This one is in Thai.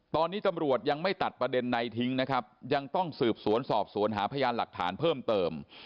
ตอนนี้ตำรวจยังไม่ตัดประเด็นใดทิ้งนะครับยังต้องสืบสวนสอบสวนหาพยานหลักฐานเพิ่มเติม